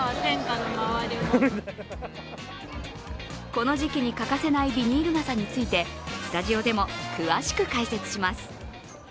この時期に欠かせないビニール傘についてスタジオでも詳しく解説します。